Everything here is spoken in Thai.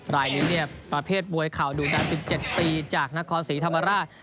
รายนี้ประเภทมวยข่าวดูดละ๑๗ปีจากนครศรีธรรมราช